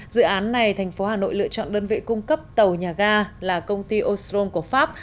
dự án này thành phố hà nội lựa chọn đơn vị cung cấp tàu nhà ga là công ty ostrom của pháp